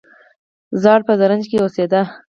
زال په زرنج کې اوسیده